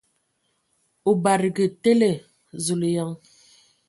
O badǝgǝ tele ! Zulǝyan!